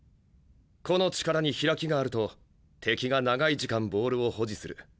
個の力に開きがあると敵が長い時間ボールを保持する。